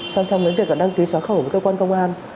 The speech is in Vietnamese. song song với việc đăng ký xóa khẩu của cơ quan công an